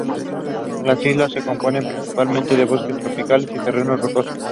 Las islas se componen principalmente de bosques tropicales y terrenos rocosos.